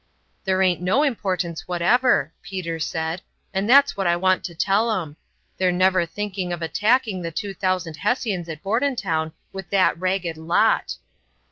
"There aint no importance whatever," Peter said, "and that's what I want to tell 'em. They're never thinking of attacking the two thousand Hessians at Bordentown with that ragged lot."